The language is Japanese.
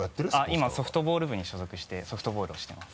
今ソフトボール部に所属してソフトボールをしています。